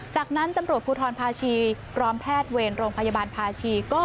จากนั้นตำรวจภูทรภาชีพร้อมแพทย์เวรโรงพยาบาลภาชีก็